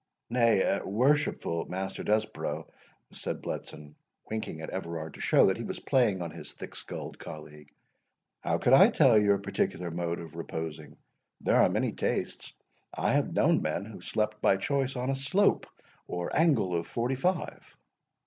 "Nay, worshipful Master Desborough," said Bletson, winking at Everard, to show that he was playing on his thick sculled colleague, "how could I tell your particular mode of reposing?—there are many tastes—I have known men who slept by choice on a slope or angle of forty five."